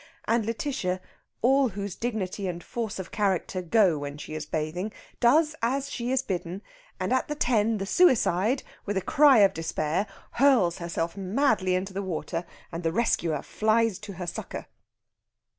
And Lætitia, all whose dignity and force of character go when she is bathing, does as she is bidden, and, at the "ten," the suicide, with a cry of despair, hurls herself madly into the water, and the rescuer flies to her succour.